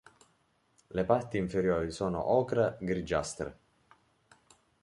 Le parti inferiori sono ocra-grigiastre.